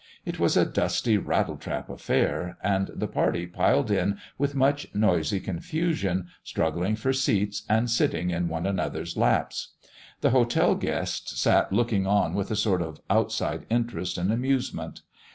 It was a dusty, rattletrap affair, and the party piled in with much noisy confusion, struggling for seats, and sitting in one another's laps. The hotel guests sat looking on with a sort of outside interest and amusement.